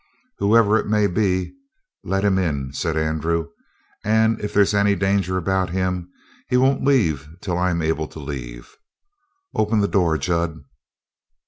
"Whoever it may be, let him in," said Andrew, "and, if there's any danger about him, he won't leave till I'm able to leave. Open the door, Jud."